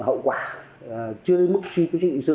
hậu quả chưa đến mức truy tư chính sự